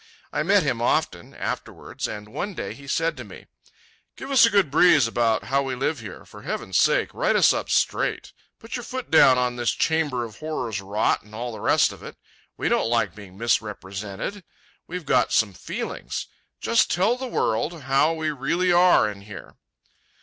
I met him often, afterwards, and one day he said to me: "Give us a good breeze about how we live here. For heaven's sake write us up straight. Put your foot down on this chamber of horrors rot and all the rest of it. We don't like being misrepresented. We've got some feelings. Just tell the world how we really are in here."